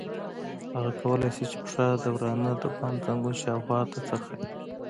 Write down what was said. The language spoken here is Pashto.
هغه کولای شي چې پښه د ورانه د بند زنګون شاوخوا ته څرخوي.